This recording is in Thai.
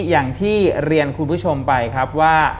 อย่างที่เรียนคุณผู้ชมไปครับว่า